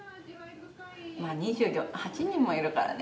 ２８人もいるからね。